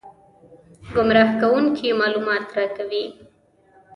ګمراه کوونکي معلومات راکوي.